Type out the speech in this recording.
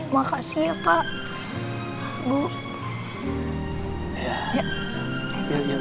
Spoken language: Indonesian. makasih ya pak